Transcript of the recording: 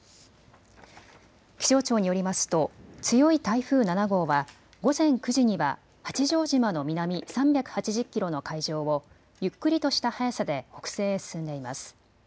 気象庁によりますと強い台風７号は午前９時には八丈島の南３８０キロの海上をゆっくりとした速さで北西へ進んでいます。